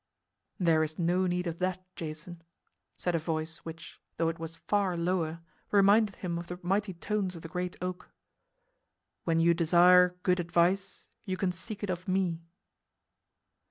"There is no need of that, Jason," said a voice which, though it was far lower, reminded him of the mighty tones of the great oak. "When you desire good advice you can seek it of me."